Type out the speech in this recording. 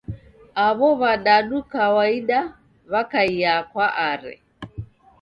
Aw'o w'adudu kawaida w'akaia kwa Are.